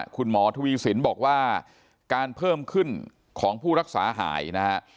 คุณหมอทวีสินบอกว่าการเพิ่มขึ้นของผู้รักษาหายนะฮะ